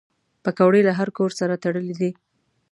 پکورې له هر کور سره تړلي دي